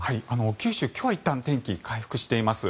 九州、今日はいったん天気回復しています。